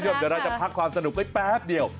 เดี๋ยวเราจะพักความสนุกไว้แป๊บเดียว